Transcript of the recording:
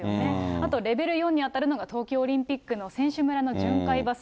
あと、レベル４に当たるのが東京オリンピックの選手村の巡回バス。